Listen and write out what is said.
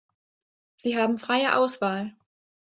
Sie haben freie Auswahl.